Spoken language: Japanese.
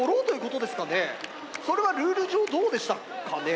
それはルール上どうでしたかね。